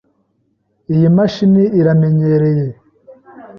Iyi mashini iramenyereye.